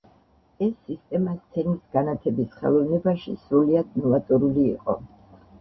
ეს სისტემა სცენის განათების ხელოვნებაში სრულიად ნოვატორული იყო.